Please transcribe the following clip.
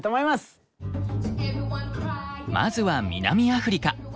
まずは南アフリカ。